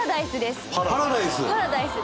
「パラダイス」？